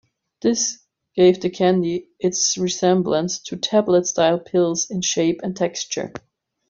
This gave the candy its resemblance to tablet-style pills in shape and texture.